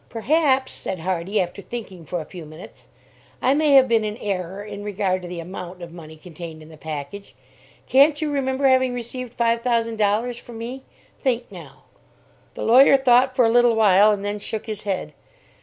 "Perhaps," said Hardy, after thinking for a few minutes, "I may have been in error in regard to the amount of money contained in the package. Can't you remember having received five thousand dollars from me? Think now!" The lawyer thought for a little while, and then shook his head.